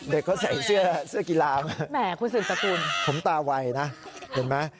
เด็กเขาใส่เสื้อเสื้อกีฬาไหมแหมคุณสืบสกุลผมตาไวนะเห็นไหม